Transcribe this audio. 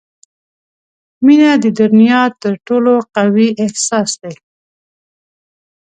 • مینه د دنیا تر ټولو قوي احساس دی.